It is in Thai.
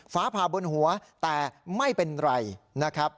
ฟ้าผ่าบนหัวแต่ไม่เป็นไรนะครับ